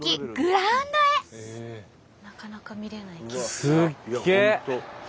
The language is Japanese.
なかなか見れない景色。